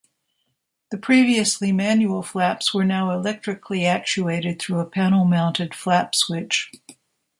The previously manual flaps were now electrically actuated through a panel-mounted flap switch.